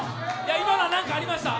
今のは何かありますか？